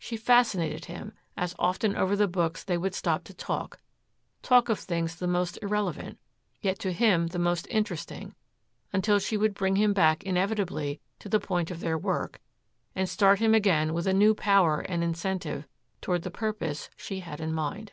She fascinated him, as often over the books they would stop to talk, talk of things the most irrelevant, yet to him the most interesting, until she would bring him back inevitably to the point of their work and start him again with a new power and incentive toward the purpose she had in mind.